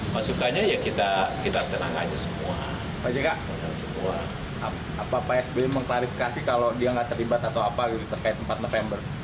pak jk apa pak sby mengklarifikasi kalau dia nggak terlibat atau apa terkait empat november